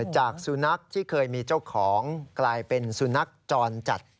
จากสุนัขที่เคยมีเจ้าของกลายเป็นสุนัขจรจัด